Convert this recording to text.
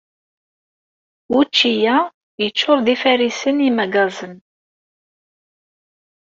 Učči-a yeččuṛ d ifarisen imagaẓen.